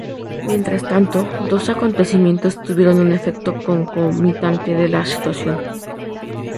Mientras tanto, dos acontecimientos tuvieron un efecto concomitante de la situación.